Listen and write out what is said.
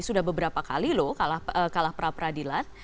sudah beberapa kali loh kalah pra peradilan